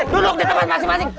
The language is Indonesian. bulog di tempat masing masing